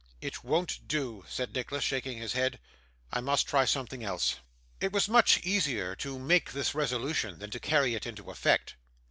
'It won't do,' said Nicholas, shaking his head; 'I must try something else.' It was much easier to make this resolution than to carry it into effect.